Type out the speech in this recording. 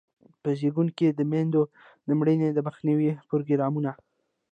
په زیږون کې د میندو د مړینې د مخنیوي پروګرامونه.